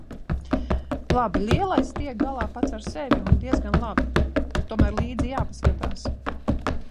Labi, lielais tiek galā pats ar sevi un diezgan labi. Tomēr līdzi jāpaskatās.